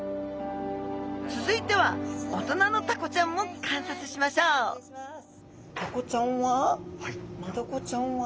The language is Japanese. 続いては大人のタコちゃんも観察しましょうマダコちゃんは？